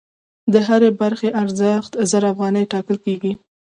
د هرې برخې ارزښت زر افغانۍ ټاکل کېږي